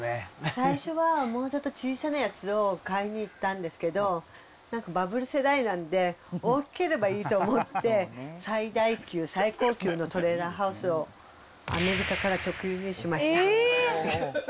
最初はもうちょっと小さなやつを買いに行ったんですけど、なんかバブル世代なんで、大きければいいと思って、最大級最高級のトレーラーハウスをアメリカから直輸入しました。